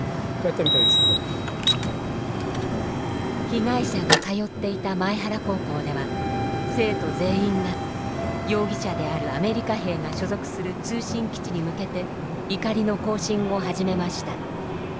被害者が通っていた前原高校では生徒全員が容疑者であるアメリカ兵が所属する通信基地に向けて怒りの行進を始めました。